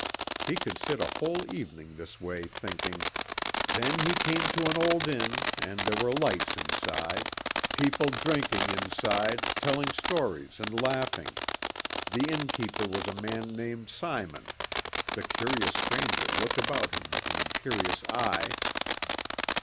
He could sit a whole evening this way thinking, "then he came to an old Inn and there were lights inside. People drinking inside, telling stories and laughing. The inn keeper was a man named Simon. The curious stranger looked about him with an imperious eye...."